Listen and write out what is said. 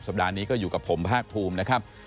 ปัดนี้ก็อยู่กับผมภาคภูมินะครับ